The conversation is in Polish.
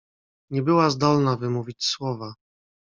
"Nie była zdolna wymówić słowa."